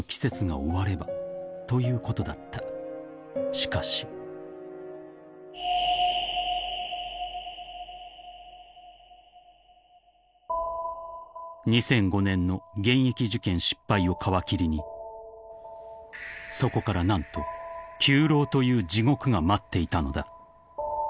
［しかし］［２００５年の現役受験失敗を皮切りにそこから何と９浪という地獄が待っていたのだ］